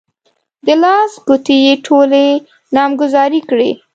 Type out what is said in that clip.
د لاس ګوتې يې ټولې نامګذاري کړې.